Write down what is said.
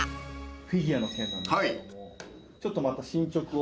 フィギュアの件なんですけどもちょっとまた進捗を。